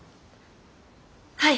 はい。